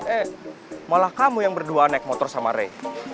eh malah kamu yang berdua naik motor sama rey